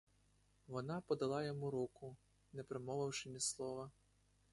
Вона подала йому руку, не промовивши ні слова.